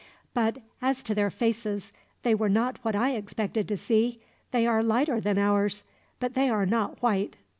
But as to their faces, they were not what I expected to see. They are lighter than ours, but they are not white.